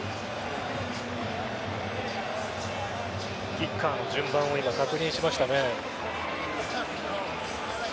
キッカーの順番を今確認しましたね。